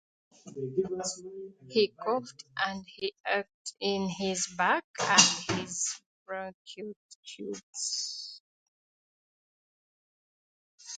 He coughed and he ached in his back and his bronchial tubes.